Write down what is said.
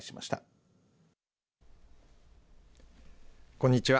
こんにちは。